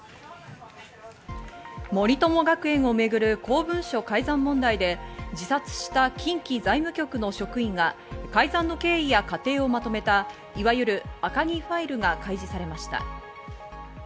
森友学園をめぐる公文書改ざん問題で、自殺した近畿財務局の職員が改ざんの経緯や過程をまとめたいわゆる赤木ファイルが開示されました。